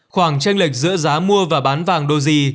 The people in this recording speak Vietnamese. khoảng tranh lệch giữa giá mua và bán vàng doji